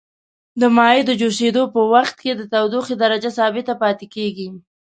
د مایع د جوشیدو په وقت کې د تودوخې درجه ثابته پاتې کیږي.